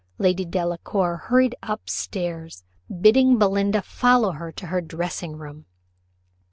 Lady Delacour hurried up stairs, bidding Belinda follow her to her dressing room.